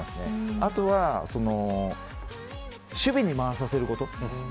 あとは守備に回させること。